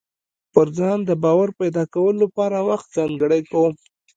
پر ځان د باور پيدا کولو لپاره وخت ځانګړی کوم.